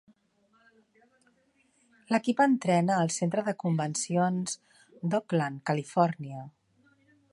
L'equip entrena al Centre de Convencions d'Oakland, Califòrnia.